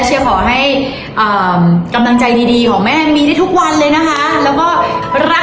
ภายในเวลาสามนาทีพร้อมแล้วสามนาทีมีความหมายต่อครอบครัวนะครับ